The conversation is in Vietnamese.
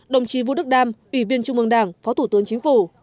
đồng chí vũ đức đam ủy viên trung mương đảng phó thủ tướng chính phủ